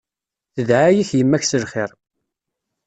Tedɛa-yak yemma-k s lxir.